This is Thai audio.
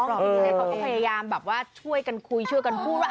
แล้วก็พยายามช่วยกันคุยเชื่อกันพูด